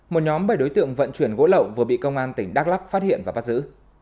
một nhóm bảy đối tượng vận chuyển gỗ lậu vừa bị công an tỉnh đắk lắc phát hiện và bắt giữ